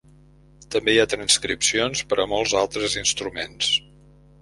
També hi ha transcripcions per a molts altres instruments.